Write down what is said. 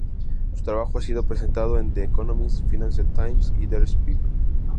Su trabajo ha sido presentado en "The Economist", "Financial Times," y "Der Spiegel".